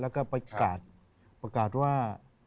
แล้วก็ประกาศประกาศว่า